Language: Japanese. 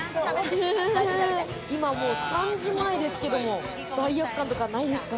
今もう３時前ですけれども、罪悪感とかないですか？